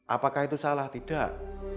apakah itu salah tidak